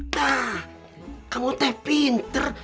tah kamu teh pinter